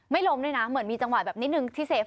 ล้มด้วยนะเหมือนมีจังหวะแบบนิดนึงที่เซฟ